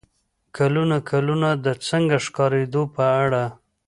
کلونه کلونه د "څنګه ښکارېدو" په اړه